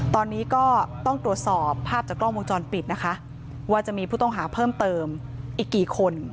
ตอนนี้ก็ต้องตรวจสอบภาพจากกล้องวงจรปิดนะคะว่าจะมีผู้ต้องหาเพิ่มเติมอีกกี่คน